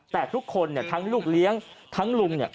แต่ทุกคนเนี่ยทั้งลูกเลี้ยงทั้งลุงเนี่ย